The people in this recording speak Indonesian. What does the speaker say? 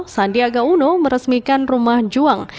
sandiaga uno meresmikan rumah juang